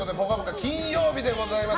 金曜日でございます。